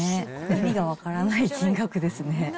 意味が分からない金額ですね。